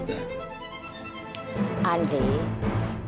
andi tante itu sangat salut sama kamu